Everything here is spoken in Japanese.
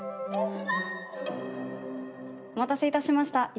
お待たせいたしました。